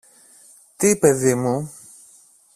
Τι, παιδί μου;